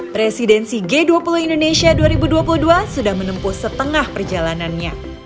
presidensi g dua puluh indonesia dua ribu dua puluh dua sudah menempuh setengah perjalanannya